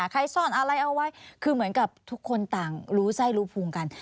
ซ่อนอะไรเอาไว้คือเหมือนกับทุกคนต่างรู้ไส้รู้ภูมิกัน